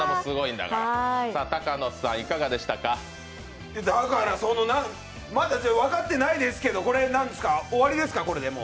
だから、まだ分かってないですけど、終わりですか、これでもう。